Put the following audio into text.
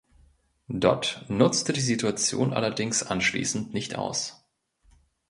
Dott nutzte die Situation allerdings anschließend nicht aus.